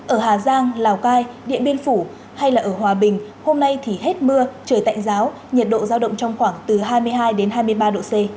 ở hà giang lào cai điện biên phủ hay là ở hòa bình hôm nay thì hết mưa trời tạnh giáo nhiệt độ giao động trong khoảng từ hai mươi hai đến hai mươi ba độ c